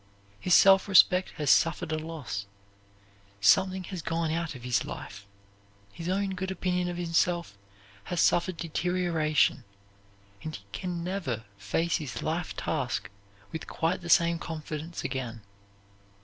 His self respect has suffered a loss. Something has gone out of his life. His own good opinion of himself has suffered deterioration, and he can never face his life task with quite the same confidence again.